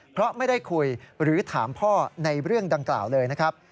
เพราะไม่ได้คุยหรือถามพ่อในเรื่องดังกล่าวเลยนะครับ